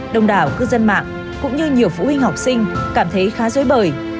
đồng đảo cư dân mạng cũng như nhiều phụ huynh học sinh cảm thấy khá dối bời